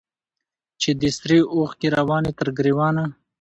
چي دي سرې اوښکي رواني تر ګرېوانه